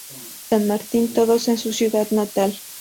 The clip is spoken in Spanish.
San Martín, todos en su ciudad natal.